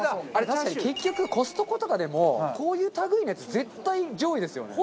確かに結局コストコとかでもこういう類いのやつ絶対上位ですよね。